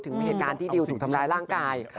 ถึงเหตุการณ์ที่ดิวถูกทำร้ายร่างกาย